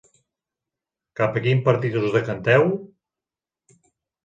Cap a quin partit us decanteu?